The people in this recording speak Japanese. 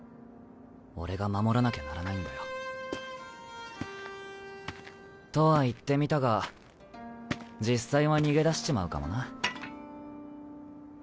俺が守らなきゃならないんだよ。とは言ってみたが実際は逃げ出しちまうかもな。